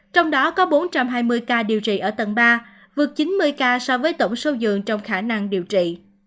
trong đó có bốn trăm hai mươi ca điều trị ở tầng ba vượt chín mươi ca so với tổng số giường trong khả năng điều trị